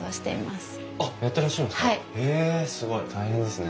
へえすごい大変ですね。